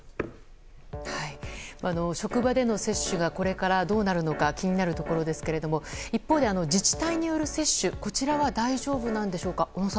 職場での接種がこれからどうなるのか気になるところですが一方で自治体による接種こちらは大丈夫なんでしょうか。